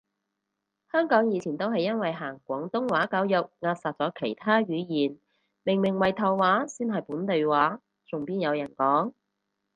香港以前都係因為行廣東話教育扼殺咗其他語言，明明圍頭話先係本地話，仲邊有人講？